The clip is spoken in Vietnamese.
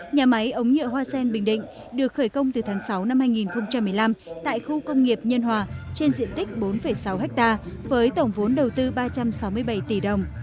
nhà máy ống nhựa hoa sen bình định được khởi công từ tháng sáu năm hai nghìn một mươi năm tại khu công nghiệp nhân hòa trên diện tích bốn sáu ha với tổng vốn đầu tư ba trăm sáu mươi bảy tỷ đồng